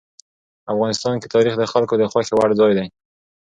افغانستان کې تاریخ د خلکو د خوښې وړ ځای دی.